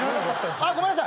あっごめんなさい。